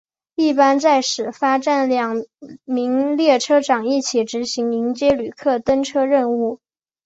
一般在始发站两名列车长一起执行迎接旅客登车任务。